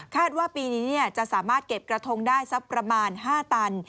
ว่าปีนี้จะสามารถเก็บกระทงได้สักประมาณ๕ตัน